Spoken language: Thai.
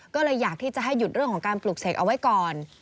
ก็เลยอยากที่จะให้หยุดเรื่องของการปลูกเสกเอาไว้ก่อน